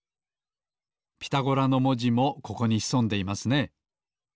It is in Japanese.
「ピタゴラ」のもじもここにひそんでいますね。